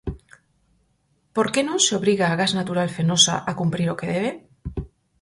Por que non se obriga a Gas Natural Fenosa a cumprir o que debe?